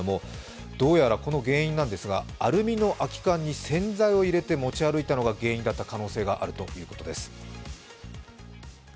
どうやらこの原因なんですが、アルミの空き缶に洗剤を入れて持ち歩いたのが原因だった可能性があるということです。